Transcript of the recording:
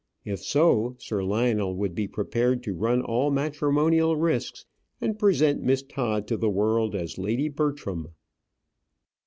If so, Sir Lionel would be prepared to run all matrimonial risks, and present Miss Todd to the world as Lady Bertram.